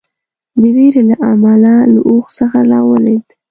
د وېرې له امله له اوښ څخه راولېده.